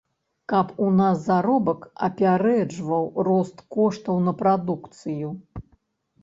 Каб у нас заробак апярэджваў рост коштаў на прадукцыю.